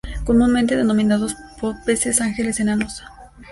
Comúnmente denominados peces ángeles enanos.